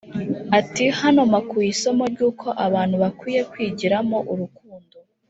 Ati “Hano mpakuye isomo ry’uko abantu bakwiye kwigiramo urukundo